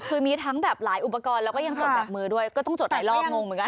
คือมีทั้งแบบหลายอุปกรณ์แล้วก็ยังจดแบบมือด้วยก็ต้องจดหลายรอบงงเหมือนกัน